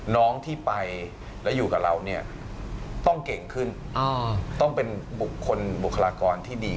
น้องที่ไปแล้วอยู่กับเราเนี่ยต้องเก่งขึ้นต้องเป็นบุคคลบุคลากรที่ดี